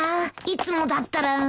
いつもだったら